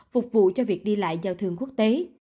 phục vụ cho việc đi lại giao thương quốc tế